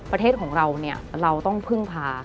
ประเทศของเราเราต้องพึ่งพา